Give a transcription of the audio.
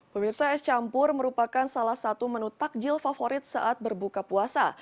pemirsa es campur merupakan salah satu menu takjil favorit saat berbuka puasa